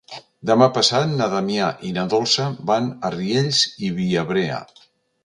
Demà passat na Damià i na Dolça van a Riells i Viabrea.